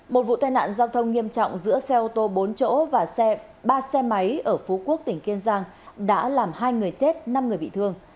một vụ tai nạn giao thông nghiêm trọng giữa xe ô tô bốn chỗ và ba xe máy ở phú quốc tỉnh kiên giang đã làm hai người chết năm người bị thương